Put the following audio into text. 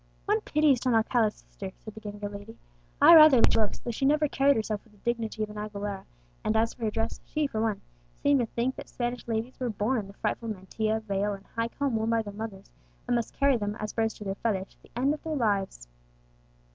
"One pities Don Alcala's sister," said the younger lady. "I rather liked her looks, though she never carried herself with the dignity of an Aguilera; and as for her dress, she, for one, seemed to think that Spanish ladies were born in the frightful mantilla, veil, and high comb worn by their mothers, and must carry them, as birds do their feathers, to the end of their lives!"